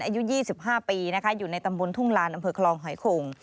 อายุ๒๕ปีนะคะอยู่ในตำบลทุ่งลานอำเภอคลองหอยขง